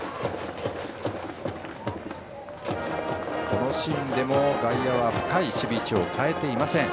このシーンでも外野は深い守備位置を変えていません。